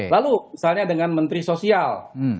lalu misalnya dengan menteri sosial